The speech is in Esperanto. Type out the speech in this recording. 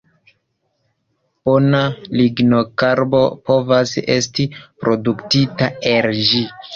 Bona lignokarbo povas esti produktita el ĝi.